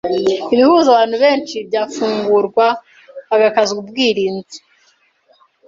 ibihuza abantu benshi byafungurwa, hagakazwa ubwirinzi.